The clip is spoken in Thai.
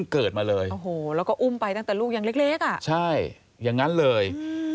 เกิดมาเลยโอ้โหแล้วก็อุ้มไปตั้งแต่ลูกยังเล็กอ่ะใช่อย่างนั้นเลย